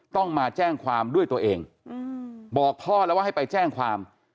ต้องมาแจ้งความด้วยตัวเองบอกพ่อแล้วว่าให้ไปแจ้งความ